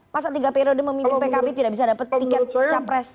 masa tiga periode memimpin pkb tidak bisa dapat tiket capres